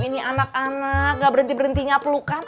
ini anak anak gak berhenti berhentinya pelukan